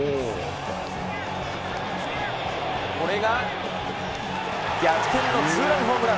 これが逆転のツーランホームラン。